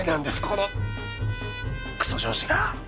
このくそ上司が！